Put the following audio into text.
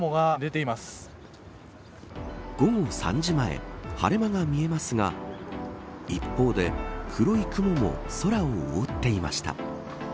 午後３時前晴れ間が見えますが一方で黒い雲も空を覆っていました。